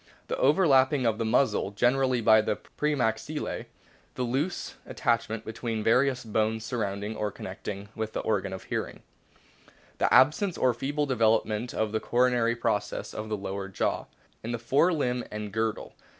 The overlapping of the muzzle generally by the premaxillse. The loose attachment between the various bones surrounding or connected with the organ of hearing. CLASSIFICATION 99 The absence or feeble development of the coronary process of the lower jaw. In the Fore Limb and Girdle.